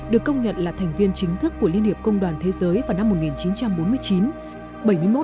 được công nhận là thành viên chính thức của liên hiệp công đoàn thế giới vào năm một nghìn chín trăm bốn mươi chín